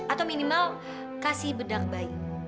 atau minimal kasih bedak bayi